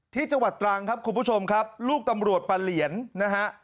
ที่จังหวัดตรังครับคุณผู้ชมครับลูกตำรวจปรรเหลียนนะฮะ